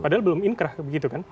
padahal belum inkrah begitu kan